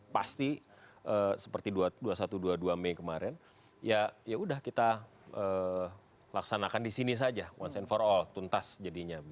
pasti seperti dua puluh satu dua puluh dua mei kemarin ya yaudah kita laksanakan di sini saja one for all tuntas jadinya